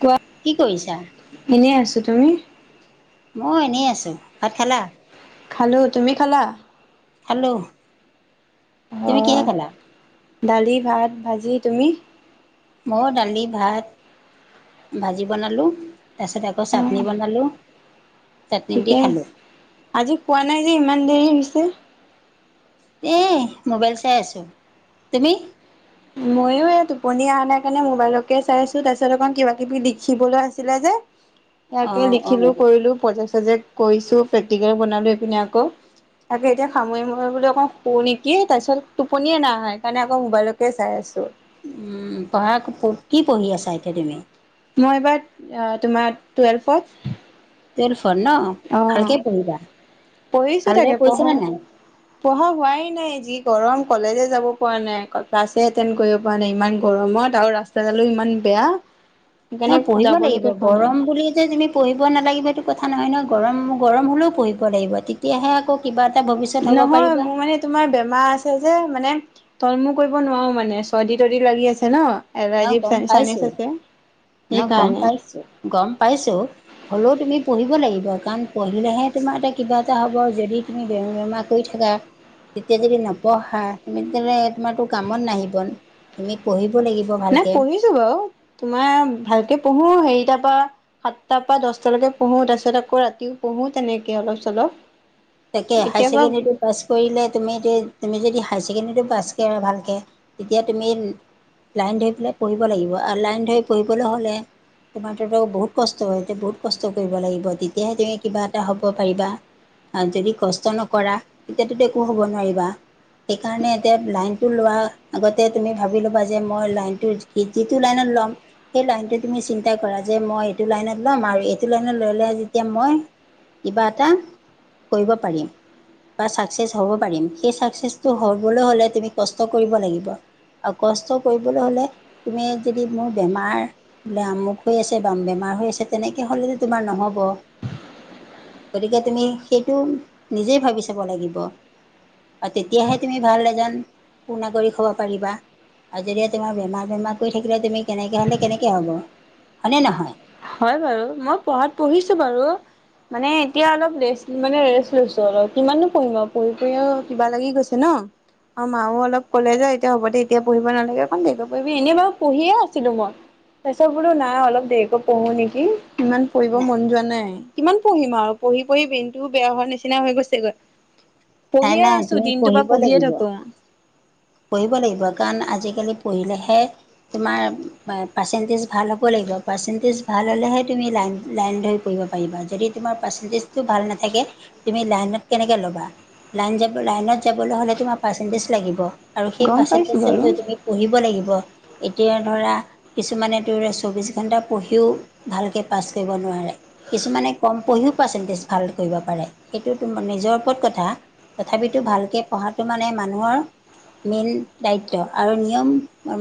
কোৱা কি কৰিছা এনেই আছো তুমি মই এনেই আছো ভাত খালা খালো তুমি খালা হেল্ল' অ দালি ভাত ভাজি তুমি মই দালি ভাত ভাজি বনালোঁ তাৰপিছত আকৌ অ চাটনি বনালোঁ চাটনি দি ঠিকে আ খালোঁ। আজি কোৱা নাই যে ইমান দেৰি হৈছে এই মোবাইল চাই আছোঁ তুমি ময়ো এই টোপনি অনাাই কাৰণে মোবাইলকে চাইছো তাৰপিছত অকণ কিবা কিবি লিখিবলৈ আছিলে যে উ ইাকে লিখিলো কৰিলো প্ৰজেক্ট চজেক্ট কৰিছো প্ৰেক্টিকেল বনালো সেই পিনে আকৌ তাকে এতিয়া সামৰি মৰি বুলি অকৌ শো নেকি তাৰপিছত টোপনিয়ে না হয়ে কাৰণে আকৌ মোবাইলত তাকে চাই আছোঁ পঢ়া কি পঢ়ি আছা এতিয়া তুমি মই এইবাৰ তোমাৰ টুৱেলভত ত ফোন ন অ ভালকে পঢা পঢ়িছো ভালৰে তাকে পইচা ন পঢ়া নাই পঢ়া হোৱাই নাই যি গৰম কলেজে যাব পৰা নাই ক্লাছে এ পোৱা নাই ইমান গৰমত আৰু ৰাস্তাডালো ইমান বেয়া অ সেইকাৰণে পঢ়িব লাগিব যাবলৈকে পোৱা নাই গৰম বুলি যে তুমি পঢ়িব নালাগিব এইটো কথা নহয় নহয় গৰম গৰম হ'লেও পঢ়িব লাগিব তেতি তেতিয়াহে আকৌ কিবা এটা ভৱিষ্যত হ'ব নহয় পাৰিবা মোৰ মানে তোমাৰ বেমাৰ আছে যে মানে তলমু কৰিব নোৱাৰো মানে চৰ্দি তৰ্দি লাগি আছে ন অ' ৰাজীৱ গম চানচ পাইছোঁ। আছে ন এইেই গম কাৰণে পাইছো গম পাইছো হ'লেও তুমি পঢ়িব লাগিব কাৰণ পঢ়িলেহে তোমাৰ এটা কিবা এটা হ'ব যদি তুমি বেমাৰ বেমাৰ কৰি থকা তেতিয়া যদি নপঢ়া তুমি তেলে তোমাৰো কামত নাহিবন তুমি পঢ়িব লাগিব। নাই ভালকে পঢ়িছো বাৰু তোমাৰ ভালকে পঢ়ো হেৰি তাৰ পৰা সাতটাৰ পৰা দহটালৈকে পঢ়ো তাৰপিছত আকৌ ৰাতিও পঢ়ো তেনেকে অলপ চলপ তাকে হাইাৰ এতিয়া বাৰু ছেকেডেৰী পাছ কৰিলে তুমি এতি তুমি যদি হায় ছেকেণ্ডেৰীটো পাছ কৰা ভালকৈ তেতিয়া তুমি লাইন ধৰি পেলাই পঢ়িব লাগিব আৰু লাইন ধৰি পঢ়িবলৈ হ'লে তোমাৰ তহঁতক বহুত কষ্ট হয় এতিয়া বহুত কষ্ট কৰিব লাগিব তেতিয়াহে তুমি কিবা এটা হ'ব পাৰিবা যদি কষ্ট নকৰা তেতিয়াতো একো হ'ব নোৱাৰিবা সেইকাৰণে এতিয়া লাইনতটো লোৱাৰ আগতে তুমি ভাবি ল'বা যে মই লাইনতটো সি যিটো লাইনত ল'ম সেই লাইনটো তুমি চিন্তা কৰা যে মই এইটো লাইনত ল'ম আৰু এইটো লাইনত লৈলে যেতিয়া মই ইবা এটা কৰিব পাৰিম। বা চাকচছ হ'ব পাৰিম সেই চটো হবলৈ হলে তুমি কষ্ট কৰিব লাগিব। আৰু কষ্ট কৰিবলৈ হ'লে তুমি যদি মোৰ বেমাৰ। বোলে আমুক হৈ আছে বা বেমাৰ হৈ আছে তেনেকে হলেতো তোমাৰ নহব গতিকে তুমি সেইটো নিজেই ভাবি চাব লাগিব। আৰু তেতিয়াহে তুমি ভাল এজন সু নাগৰিক হ'ব পাৰিবা। আৰু যদি তোমাৰ বেমাৰ বেমাৰ কৰি থাকিলে তুমি কেনেকে হ'লে কেনেকে হ'ব হয়নে নহয়। হয় বাৰু মই পঢ়াত পঢ়িছো বাৰু মানে এতিয়া অলপ ৰেষ্ট মানে ৰেষ্ট লৈছো অলপ কিমাননো পঢ়িম পঢ়ি পঢি কিবা লাগি গৈছে ন। অ মাও অলপ ক'লে যে এতিয়া হ'ব দে এতিয়া পঢ়িব নালাগে অণ দে পঢিবি এনে বাৰু পঢ়িয়ে আছিলো মই। তাৰছত বোলো নাই অলপ দেৰিকৈ পঢ়ো নেকি ইমান পঢ়িব মন যোৱা নাই। কিমান পঢ়িম আৰু পঢ়ি পঢি বেইনটোও বেয়া হোৱাৰ নিচিনা হৈ গৈছেগৈ পঢ়িয়ে নাই আছো তুমি দিনটোৰ পৰা পঢ়িব পঢ়িয়ে লাগিব থাকো পঢ়িব লাগিব কাৰণ আজিকালি পঢ়িলেহে তোমাৰ পাৰ্চেণ্টেজ ভাল হ'ব লাগিব পাৰ্চেণ্টেজ ভাল হ'লেহে তুমি লাইন লাইন ধৰি পৰিব যদি তোমাৰ পাৰ্চেন্টেজ ভাল নাথাকে তুমি লাইনত কনেকৈ লবা ল য লাইনত যাবলৈ হ'লে তোমাৰ পাৰ্চেন্টেজ লাগিব আৰু সেই গম পাইছো বাৰু পাৰ্চটেজ পঢ়িব লাগিব এতিয়া ধৰা কিছুমানে চৌববিশ ঘণ্টা পঢ়িও ভালকৈ পাছ কৰিব নোৱাৰে। কিছুমানে কম পঢ়িও পাৰ্চেন্টেজ ভাল কৰিব পাৰে সেইটো নিজৰ ওপৰত কথা তথাপিতো ভালকৈ পঢ়াটো মানে মানুহৰ মেইন দায়িত্ব আৰু নিয়ম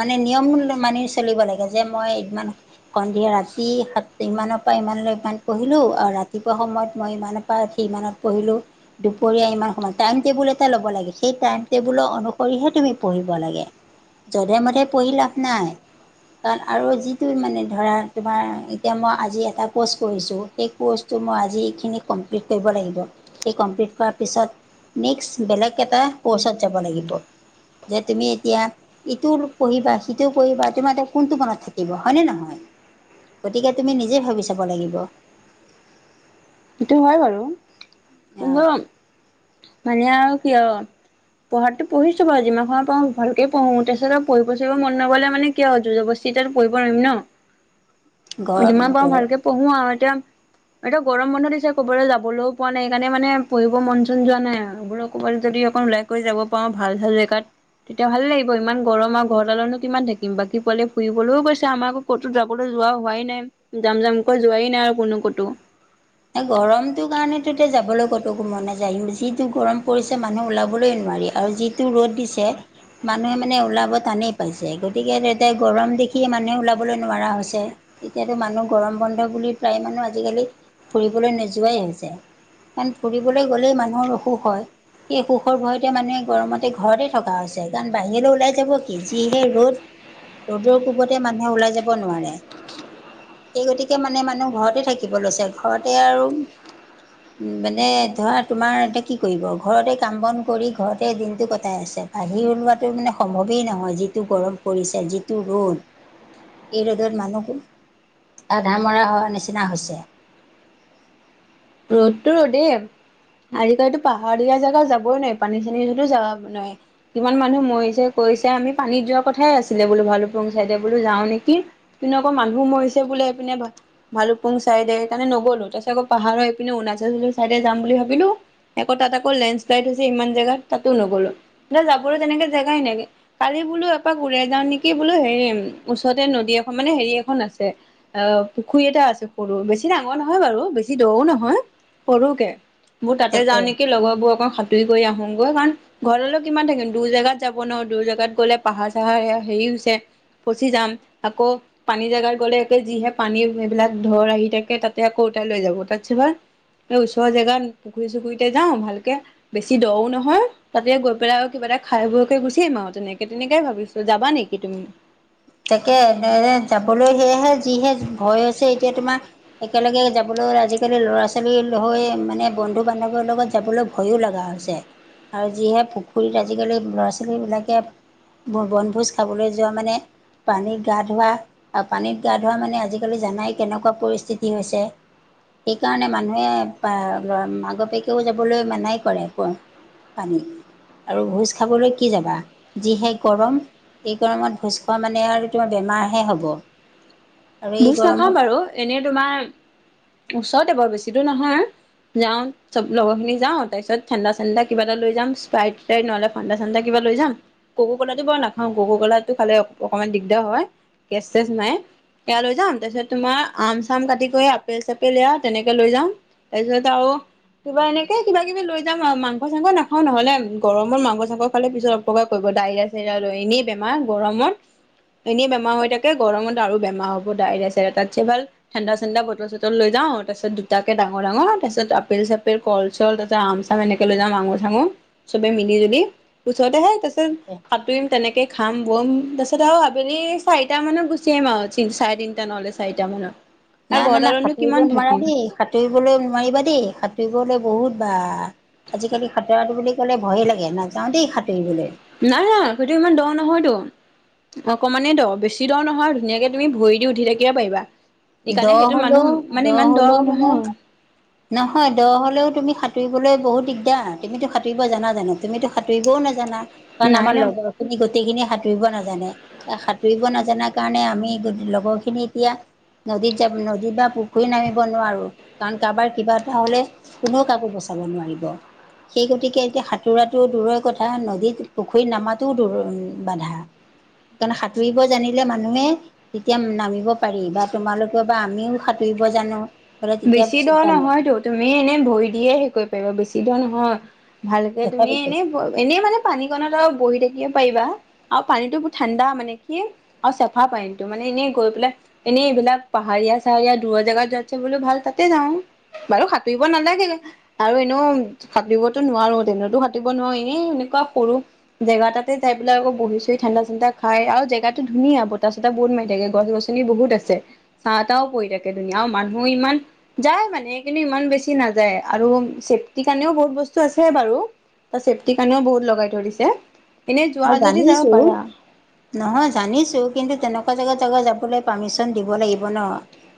মানে নিয়ম মানি চলিব লাগে যে মই এদমান সন্ধিয়া ৰাতি সাত ইমানৰ পৰা ইমানলৈ ইমান পঢ়িলো আৰু ৰাতিপুৱা সময়ত মই ইমান পাৰি ইমানত পঢ়িলো দুপৰীয়া ইমান সময় টাইম টেবুল এটা ল'ব লাগে সেই টাইম টেবুল কৰিঢহে তুমি পঢ়িব লাগে যধে মধে পঢ়ি লাভ নাই। কাৰণ আৰু যিটো মানে ধৰা তোমাৰ এতিয়া মই আজি এটা ক'ৰ্চ কৰিছোঁ সেই ক'ৰ্চটো মই আজিখিনি কমপ্লিট কৰিব লাগিব সেই কমপ্লিট কৰাৰ পিছত নেক্স বেলেগ এটা কৰ্চত যাব লাগিব যে তুমি এতিয়া ইটো পঢ়িবা সিটো পঢ়িবা তোমাৰ এ কোনটো মনত থাকিব হয়নেে নহয় গতিকে তুমি নিজে ভাবি চাব লাগিব। সেইটো হয় বাৰু আহ কিন্তু মানে আৰু কিয় পঢ়াতটো পঢ়িছো বু যিমান সময় পা ভালকে পঢ়ো তেছত পঢ়ি পচিব মন নগ'লে মানে কিয় যুজ বস্তিতিাত পঢ়িব নোৱাৰিম ন [unintelligible] যিমান পাৰো ঘৰ ভালকে পঢ়ো আৰু এতিয়া, এতিয়া গৰম বন্ধ দিছে ক'বলৈ যাবলৈও পোৱা নাই এইকাৰণে মানে পঢ়িব মন-চন যোৱা নাই আৰু। ক'ব যদি অকণ হৈ যাব পাৰোঁ ভাল-ভাল জেগাত। তেতিয়া ভালে লাগিব ইমান গৰম আৰু ঘৰ তালতনো কিমান থাকিম বাকী পোৱালে ফুৰিবলৈও গৈছে আমাৰ আকৌ। ক'তো যাবলৈ যোৱা হোৱাই নাই যাম-যমকৈ যোৱাই নাই আৰু কোনো ক'তো। ন' গৰমটোৰ কাৰণেইতো যাবলৈ ক'তো মন নাযায়। যিটো গৰম পৰিছে মানুহ ওলাবলৈ নোৱাৰি আৰু যি যিটো ৰ'দ দিছে মানুহে মানে ওলাব টানেই পাইছে গতিকে তেন্তে গৰম দেখিয়ে মানুহে ওলাবলৈ নোৱাৰা হৈছে। এতিয়াতো মানুহ গৰম বন্ধ বুলি প্ৰায় মানুহ আজিকালি ফুৰিবলৈ নোযোৱাই হৈছে। তেন ফুৰিবলৈ গ'লেই মানুহৰ অসুখ হয়। সেই অসুখৰ ভয়তে মানুহে গৰমতে ঘৰতে থকা হৈছে, কাৰণ বাহিৰলৈ ওলাই যাব কি যিহে ৰ'দ। ৰ'দৰ কোবতে মানুহে ওলাই যাব নোৱাৰে। সেই গতিকে মানে মানুহ ঘৰতে থাকিব লৈছে ঘৰতে আৰু মানে ধৰা তোমাৰ এতিয়া কি কৰিব ঘৰতে কাম বন কৰি ঘৰতে দিনটো কটাই আছে। বাহিৰ ওলোৱাটো মানে সম্ভৱেই নহয়, যিটো গৰম পৰিছে যিটো ৰ'দ। এই ৰ'দত মানুহো আধা মৰা হোৱাৰ নিচিনা হৈছে। ৰ'দতটো ৰ'দেই আজিকালিতো পাহাৰিয়া জেগাত যাবই নোৱাৰি, পানী-চানী যদিও যাব নোৱাৰি। কিমান মানুহ মৰিছে, কৈছে আমি পানীত যোৱা কথাই আছিলে বোলো ভালুপুং চাইডে বোলো যাওঁ নেকি? এইপিনে আকৌ মানুহ মৰিছে বোলে, এইপিনে ভালুকপুং চাইডে সেইকাৰণে নগ'লো তাৰপিছ আকৌ পাহাৰৰ এইপিনে অৰুণাচল চাইডে যাম বুলি ভাবিলোঁ, আকৌ তাত আকৌ লেণ্ডশ্লাইড হৈছে ইমান জেগাত তাতো নগ'লো। মানে যাবলৈ তেনেকে জেগাই নাই। কালি বোলো এপাক উৰাই যাওঁ নেকি? বোলো হেৰি ওচৰতে নদী এখন, মানে হেৰি এখন আছে। অহ, পুখুৰী এটা আছে সৰু, বেছি ডাঙৰ নহয় বাৰু, বেছি দওঁ নহয়। হা! সৰুকে মোৰ তাতে যাওঁ তাকে নেকি? লগৰবোৰ আকৌ সাঁতুৰি গৈ আহোগৈ কাৰণ ঘৰতেনো কিমান থাকিম, দূৰ জেগাত যাব নোৱাৰো, দুৰ জেগাত গ'লে পাহাৰ-চাহাৰ হেৰি হৈছে। ফচি যাম আকৌ পানী জোগাত গ'লে একে যিহে পানী এইবিলাক ধৰ আহি থাকে তাতে আকৌ ওতাই লৈ যাব, তাতছে ভাল এই ওচৰৰ জেগাত পুখুৰী-চুখুৰীতে যাওঁ ভালকে, বেছি দওঁ নহয়। তাতে গৈ পেলাই আৰু কিবা এটা খায় বৈয়কে গুচি আহিম আৰু তেনেকে-তেনেকেই ভাবিছোঁ যাবা নেকি তুমি? তাকে তেনেকে যাবলৈ সেয়াহে যিহে ভয় হৈছে এতিয়া তোমাৰ একেলগে যাবলৈ, আজিকালি ল'ৰা-ছোৱালী হৈ মানে বন্ধু বান্ধৱৰ লগত যাবলৈ ভয়ো লগা হৈছে আৰু যিহে পুখুৰীত আজিকালি ল'ৰা-ছোৱালীবিলাকে ব-বনভোজ খাবলৈ যোৱা মানে। পানীত গা ধোৱা, আৰু পানীত গা ধোৱা মানে আজিকালি জানাই কেনেকুৱা পৰিস্থিতি হৈছে। সেইকাৰণে মানুহে অহ, আগতিয়াকেও যাবলৈ মানাই কৰে কয়। পানী। আৰু ভোজ খাবলৈ কি যাবা যিহে গৰম, এই গৰমত ভোজ খোৱা মানে মানে আৰু তোমাৰ বেমাৰহে হ'ব। আৰু এই ভোজ নাখাওঁ গৰমত বাৰু এনেই তোমাৰ ওচৰতে বৰ বেছি দূৰ নহয়। যাওঁ চব লগৰখিনি যাওঁ, তাৰপিছত ঠাণ্ডা-চাণ্ডা কিবা এটা লৈ যাম স্পাইট-স্চাইট নহ'লে ঠাণ্ডা-ঠাণ্ডা কিবা লৈ যাম, কককলাটো বাৰু নাখাওঁ, ককগলাটো খালে অকণমান দিগদাৰ হয়। কেচ-চেছ নাই। এয়া লৈ যাম তাৰপিছত তোমাৰ আম-চাম কাটি কৰি আপেল-চাপেল এয়া তেনেকে লৈ যাম। তাৰপিছত আৰু কিবা এনেকে কিবা-কিবি লৈ যাম আৰু মাংস-চাংস নাখাওঁ, নহ'লে গৰমৰ মাংস-চাংস খালে পিছত অপকাৰ কৰিব ডাইৰিয়া-চাইৰিয়া লৈ এনেই বেমাৰ গৰমত, এনেই বেমাৰ হৈ থাকে গৰমত আৰু বেমাৰ হ'ব ডায়েৰিয়া-চাইৰিয়া তাতছে ভাল ঠাণ্ডা-চাণ্ডা বটল-চটল লৈ যাওঁ, তাৰপিছত দুটাকে ডাঙৰ-ডাঙৰ, তাৰপিছত আপেল-চাপেল কল-চল, তাৰপিছত আম-চাম, এনেকে লৈ যাম আঙুৰ চাঙুৰ চবে মিলি জুলি ওচৰতেহে তাৰিছত। সাঁতুৰিম তেনেকে খাম বম তাৰপিছত আৰু আবেলি চাৰিটা মানত গুচি আহম আওঁ। তি চাৰে তিনটা নহলে চাৰিটা মানত না আৰু না না ঘৰদালতনো সাঁতুৰিব কিমান নোৱাৰা থাকিম। দেই সাঁতুৰিবলৈ নোৱাৰিবা দেই সাঁতুৰিবলৈ বহুত বা। আজিকালি সাঁতোৰাটো বুলি ক'লে ভয়ে লাগে, নাযাওঁ দেই সাঁতুৰিবলে। নাই নাই সেইটো ইমান দ নহয়তো। অকণমানেই দৰ বেছি দৰ নহয় ধুনীয়াকে তুমি ভৰি দি উঠি থাকিবা পাৰিবা। দ সেইকাৰণে সেইটো হ'লেও মানুহ দ মানে ইমান দৰ হ'লেও মানে নহয়। নহয় দহ হলেও তুমি সাঁতুবলৈ বহুত দিগদাৰ তুমিতো সাঁতুৰিব জানা জানো? তুমিতো সাঁতুৰিবও নাজানা। কাৰণ নাই আমাৰ নাই লগৰ খিনি গোটেইখিনি সাঁতুৰিব নাজানে। এ সাঁতুৰিব নাজানা কাৰণে আমি লগৰ খিনি এতিয়া। নদীত যাব নদী বা পুখুৰীত নামিব নোৱাৰো। কাৰোবাৰ কিবা এটা হলে কোনেও কাকো বচাব নোৱাৰিব। সেই গতিকে এতিয়া সাঁতোৰাটো দূৰৰ কথা নদীত পুখুৰীৰ নামাটোও দূৰ বাধা। কাৰণে সাঁতুৰিব জানিলে মানুহে। তেতিয়া নামিব পাৰি বা তোমালোকেও বা আমিও সাঁতুৰিব জানো। বোলে তেতিয়া বেছি দৰ চিন্তা নাই নহয়তো তুমি এনে ভৰি দিয়ে হে কৰিব পাৰিবা বেছি দৰ নহয়। ভালকে তুমি তথাপিতো এনেই এনেই মানে। পানীকণত বহি থাকিব পাৰিবা আৰু পানীতটো ঠাণ্ডা মানে কি আৰু চাফা পাইনো মানে এনেই গৈ পেলাই এনেই এইবিলাক পাহাৰীয়া চাহাৰীয়া দূৰৰ জাগগাত য বোলো ভাল তাতে যাওঁ বাৰু সাঁতুৰিব নালাগে আৰু এনেও সাটিবতো নোৱাৰো তেনতো সাটিব নোৱাৰো এ এনেকুৱা সৰু জেগাতোইবাক আক বি চহি ঠাণ্ডা ঠাণ্া খাই আৰু জেগাটো ধুনীয়া বত চ বত বুত মাৰি থাকে গছ গছ বহুত আছে চাহ তাহও পৰি থাকে ধুনীয়া মানুহো ইমান যায় মানে কিন্তু ইমান বেছি নাযায় আৰু চেফটিৰ কাৰণেও বহুত বস্তু আছে বাৰু তাৰ চেফটিৰ কাৰণেও বহুত লগাই ধৰিছে এনেই যোৱা মই যদি যাওঁ জানিছো পাৰা নহয় জানিছোঁ কিন্তু তেনেকুৱা জেগাত জেগা যাবলৈ পাৰ্মিশন দিব লাগিব ন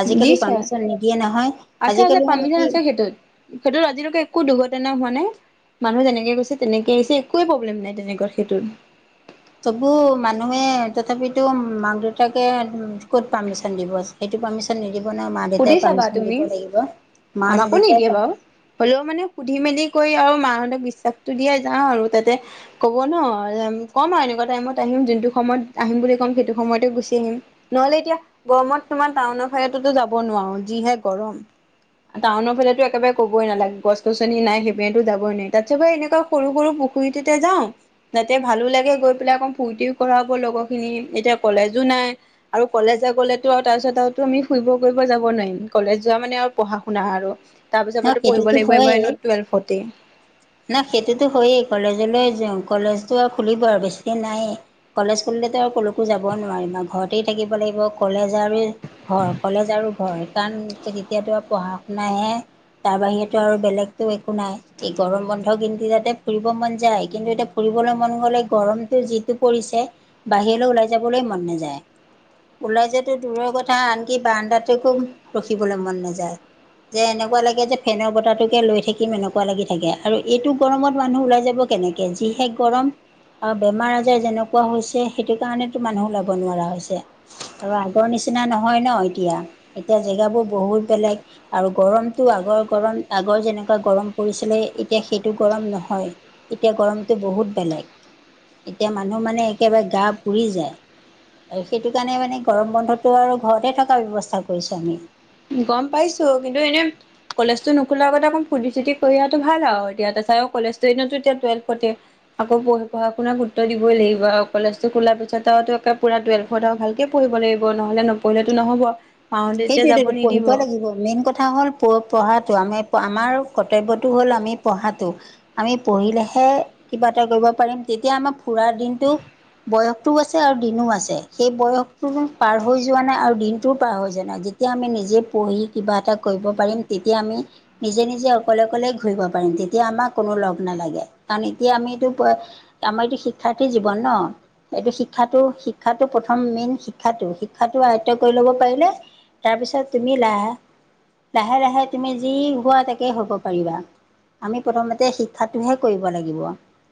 আজিকালি দিছে পাৰ্মিশন নিদিয়ে নহয় আছে আছে আজিকালি ম পাৰ্মিচন নেকি আছে সেইটোত সেইটোত আজিলৈকে একো দুৰ্ঘটনা হোৱা নাই মানুহ যেনেকে গৈছে তেনেকে আহিছে একোৱে প্ৰব্লেম নাই তেনেকুৱাত সেইটোত চবু মানুহে তথাপিতো মাক দেউতাকে ক'ত পাৰ্মিশন দিব সেইটো পাৰ্মিশ্যন নিদিব ন মা সুধি দেউতাই চাবা পাৰ্মিশ্যন দিব তুমি লাগিব মা আমাকো যেতাই নিদিয়ে পাৰন বাৰু হ'লেও মানে সুধি মেলি কৰি আৰু মাহঁতক বিশ্বাসটো দিয়ে যাওঁ আৰু তাতে ক'ব ন কম এনেকুৱা টাইমত আহিম যোনটো সময়ত আহিম বুলি ক'ম সেইটো সময়তে গুচি আহিম নহলে এতিয়া গৰমত তোমাৰ টাউনৰ ফাইততো যাব নোৱাৰো যিহে গৰম টাউনৰ ফালেতো একেবাৰে ক'বই নালাগে গছ গছনি নাই সেইবতো যাবই নোৱাৰি তাত চবে এনেকুৱা সৰু সৰু পুখুৰীটোতে যাওঁ যাতে ভালো লাগে গৈ পেলাই অকণ ফূৰ্তিও কৰাব লগৰখিনি এতিয়া কলেজো নাই আৰু কলেজা গ'লেতো আৰু তাৰপিছত আৰুো আমি শুই কৰিব যাব নোৱাৰিম কলেজ যোৱা মানে আৰু পঢ়া শুনা আৰু তাৰ পিছৰ ন পৰাতো পঢ়িব সেইটোতো লাগিব এইাৰ ন টুৱেলভ ফৰটি না সেইটোতো হয়েই কলেজলৈ যওঁ কলেজটো আৰু খুলিব আৰু বেছি নাই কলেজ্কুলতো আৰু ক'লৈকো যাব নোৱাৰিম আৰু ঘৰতেই থাকিব লাগিব কলেজ আৰু ঘৰ কলেজ আৰু ঘৰ কাৰণ তেতিয়াতো আৰু পঢ়া শুনাহে তাৰ বাহিৰেতো আৰু বেলেগতো একো নাই এই গৰম বন্ধ কিন্তু যাতে ফুৰিব মন যায় কিন্তু এতিয়া ফুৰিবলৈ মন গ'লে গৰমটো যিটো পৰিছে বাহিৰলৈ ওলাই যাবলৈ মন নাযায় ওলাই যাতো দূৰৰ কথা আনকি বাৰানণ্্ডাত খুব ৰখিবলৈ মন নাযায় যে এনেকুৱা লাগে যে ফেনৰ বতটোকে লৈ থাকিম এনেকুৱা লাগি থাকে আৰু এইটো গৰমত মানুহ ওলাই যাব কেনেকে তে যিহে গৰম। আৰু বেমাৰ-আজাৰ যেনেকুৱা হৈছে, সেইটো কাৰণেতো মানুহ ওলাব নোৱাৰা হৈছে। আৰু আগৰ নিচিনা নহয় ন এতিয়া, এতিয়া জেগাবোৰ বহুত বেলেগ আৰু গৰম। টো আগৰ গৰম আগৰ যেনেকুৱা গৰম পৰিছিলে, এতিয়া সেইটো গৰম নহয়। এতিয়া গৰমটো বহুত বেলেগ, এতিয়া মানুহৰ মানে একেবাৰে গা পুৰি যায়। সেইটো কাৰণে মানে গৰম বন্ধটো আৰু ঘৰতে থকাৰ ব্যৱস্থা কৰিছোঁ আমি। গম পাইছোঁ, কিন্তু এনে- কলেজটো নোখোলা আগতে অকণমান ফুৰ্তি চুৰ্তি কৰি অহাটো ভাল আৰু এতিয়া তাৰপিছত আও কলেজ দিনতো এতিয়া টুৱেলভতে আকৌ পঢ়া-শুনাৰ গুৰুত্ব দিবই লাগিব আৰু কলেজতো খোলাৰ পিছতটো পুৰা টুৱেলভ- ভালকে পঢ়িব লাগিব নহ'লে, নপঢ়িলেতো নহ'ব। মাহঁতে এতিয়া যাব- সেইটোৱেতো নিদিব পঢ়িব লাগিব। মেইন কথা হ'ল প পঢ়াটো। আমাৰ, আমাৰ কৰ্তব্যটো হ'ল আমি পঢ়াটো। আমি পঢ়িলেহে কিবা এটা কৰিব পাৰিম, তেতিয়া আমাৰ ফুৰাৰ দিনটো- বয়সটোও আছে আৰু দিনো আছে। সেই বয়সতো পাৰ হৈ যোৱা নাই আৰু দিনতো পাৰ হৈ যোৱা নাই। যেতিয়া আমি নিজে পঢ়ি কিবা এটা কৰিব পাৰিম, তেতিয়া আমি- নিজে নিজে অকলে অকলে ঘূৰিব পাৰিম, তেতিয়া আমাক কোনো লগ নালাগে। কাৰণ এতিয়া আমিটো- আমাৰ এইটো শিক্ষাৰ্থী জীৱন ন। এইটো শিক্ষাটো, শিক্ষাটো প্ৰথম মেইন শিক্ষাটো। শিক্ষাটো আয়ত্ব কৰি ল'ব পাৰিলে, তাৰপিছত তুমি লাহ। লাহে লাহে তুমি যি হোৱা তাকে হ'ব পাৰিবা। আমি প্ৰথমতে শিক্ষাটোহে কৰিব লাগিব।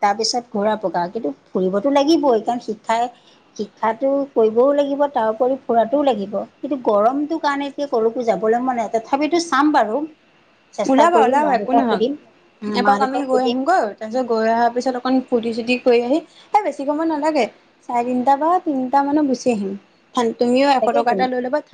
তাৰপিছত ঘূৰা পকা। কিন্তু ফুৰিবতো লাগিবই কাৰণ শিক্ষাই শিক্ষাটো কৰিবও লাগিব, তাৰওপৰি ফুৰাতোও লাগিব কিন্তু গৰম গৰমটো কাৰণে এতিয়া কটো যাবলৈ মন নাই। তথাপিতো চাম বাৰু। চেষ্টা ওলাবা কৰিম ওলাবা মা একো দেউতাক নহয়, সুধিম উম, মা এপাক আমি দেউতাক গৈ সুধিম আহিমগৈ। তাৰপিছত গৈ অহাৰ পিছত অকণ ফুৰ্তি চুৰ্টি কৰি আহি, এই বেছি সময় নালাগে। চাৰে তিনটা বা তিনটা মানত গুচি আহিম। তুমিও এশ টকা তাকেইতো এটা লৈ ল'বা।